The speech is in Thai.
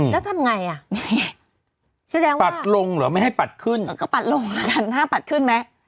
แล้วทำไงอ่ะปัดลงหรือไม่ให้ปัดขึ้นก็ปัดลงกันถ้าปัดขึ้นไหม